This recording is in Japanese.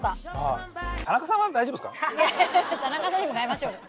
田中さんにも買いましょうよ。